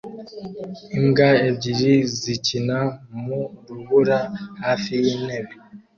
Imbwa ebyiri zikina mu rubura hafi y'intebe